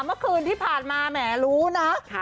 เมื่อคืนที่ผ่านมาแหมรู้นะ